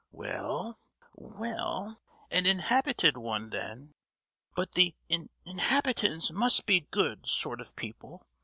"Well, well, an inhabited one, then; but the in—habitants must be good sort of people.